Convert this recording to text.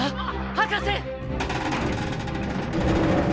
博士！